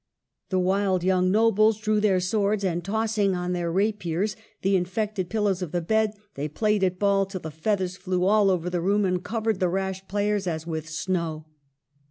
The wild young nobles drew their swords, and, tossing on their^ rapiers the infected pillows of the bed, they played at ball till the feathers flew all over the room and covered the rash players as with snow.